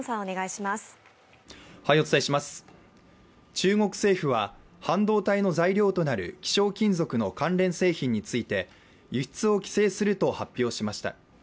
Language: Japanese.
中国政府は半導体の材料となる希少金属の関連製品について輸出を規制すると発表しました。